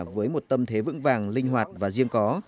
với một tâm thế vững vàng linh hoạt và riêng có